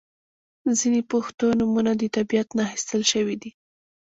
• ځینې پښتو نومونه د طبیعت نه اخستل شوي دي.